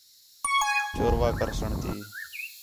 چوروا کرسݨ تی